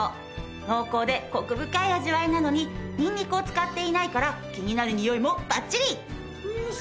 濃厚でコク深い味わいなのにニンニクを使っていないから気になるにおいもバッチリ！